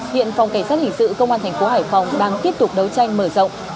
hiện phòng cảnh sát hình sự công an thành phố hải phòng đang tiếp tục đấu tranh mở rộng